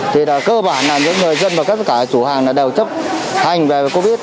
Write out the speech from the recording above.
thì cơ bản là những người dân và các chủ hàng đều chấp hành về covid một mươi chín